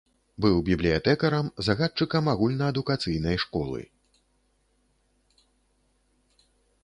Быў бібліятэкарам, загадчыкам агульнаадукацыйнай школы.